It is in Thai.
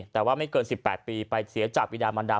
แต่ว่าไม่เกิน๑๘ปีไปเสียจากวิดามันดา